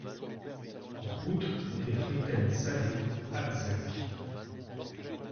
Route des Fontaines Salées, Abzac